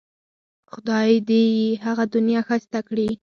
خدای دې یې هغه دنیا ښایسته کړي.